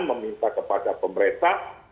meminta kepada pemerintah